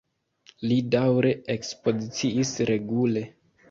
Li daŭre ekspoziciis regule.